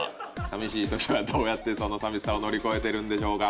寂しい時はどうやってその寂しさを乗り越えてるんでしょうか？